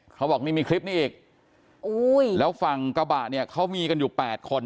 เขาบอกนี่มีคลิปนี้อีกแล้วฝั่งกระบะเนี่ยเขามีกันอยู่๘คน